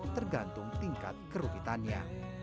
tergantung tingkat kerugitannya